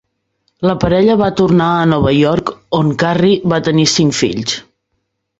La parella va tornar a Nova York, on Carrie va tenir cinc fills.